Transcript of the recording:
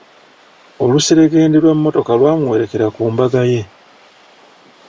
Oluseregende lwa mmotoka lwamuwerekera ku mbaga ye.